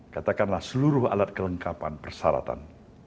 katakanlah seluruh alat kelengkapan persyaratan